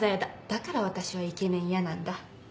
だから私はイケメン嫌なんだ。